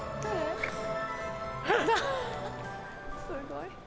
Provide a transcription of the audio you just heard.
すごい。